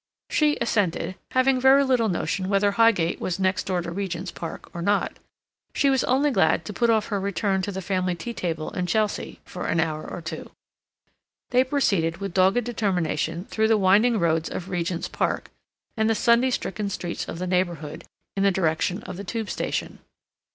She assented, having very little notion whether Highgate was next door to Regent's Park or not. She was only glad to put off her return to the family tea table in Chelsea for an hour or two. They proceeded with dogged determination through the winding roads of Regent's Park, and the Sunday stricken streets of the neighborhood, in the direction of the Tube station.